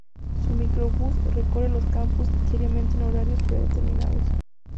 Un microbús recorre los "campus" diariamente en horarios predeterminados.